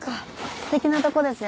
すてきなとこですよね。